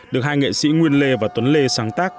được hai nghệ sĩ nguyên lê và tuấn lê sáng tác